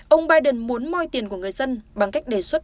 ông biden muốn moi tiền của người dân bằng cách đề xuất